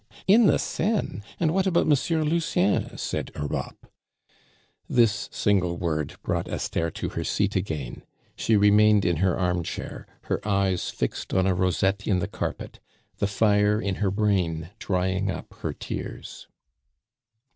"In the Seine? And what about Monsieur Lucien?" said Europe. This single word brought Esther to her seat again; she remained in her armchair, her eyes fixed on a rosette in the carpet, the fire in her brain drying up her tears.